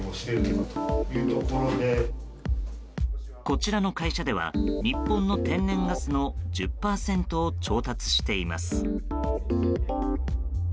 こちらの会社では日本の天然ガスの１０％を調達しています。